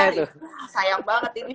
sayang banget ini videonya ketutup